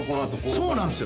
そうなんすよ。